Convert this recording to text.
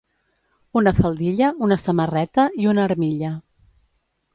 Una faldilla, una samarreta i una armilla.